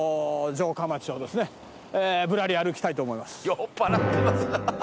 「酔っ払ってますね」